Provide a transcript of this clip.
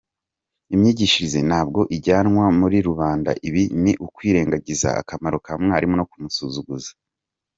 Imyigishirize ntabwo ijyanwa muri rubanda, ibi ni ukwirengagiza akamaro ka mwarimu no kumusuzuguza.